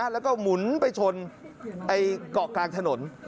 แล้วก็หมุนไปชนเกาะกลางถนน